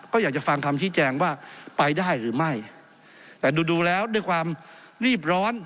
ก็อยากจะฟังคำชี้แจงว่าไปได้หรือไม่แต่ดูดูแล้วด้วยความรีบร้อน